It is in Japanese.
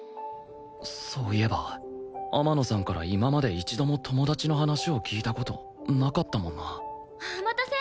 そういえば天野さんから今まで一度も友達の話を聞いた事なかったもんなお待たせ！